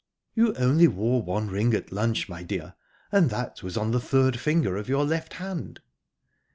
"You only wore one ring at lunch, my dear, and that was on the third finger of your left hand."